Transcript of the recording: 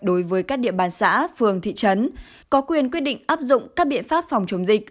đối với các địa bàn xã phường thị trấn có quyền quyết định áp dụng các biện pháp phòng chống dịch